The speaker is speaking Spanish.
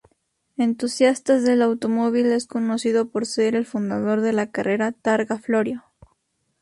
Entusiasta del automóvil, es conocido por ser el fundador de la carrera Targa Florio.